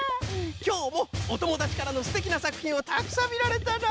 きょうもおともだちからのすてきなさくひんをたくさんみられたな！